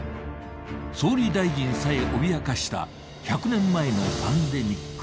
総理大臣さえ脅かした１００年前のパンデミック。